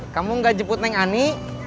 kamu gak jeput naik ani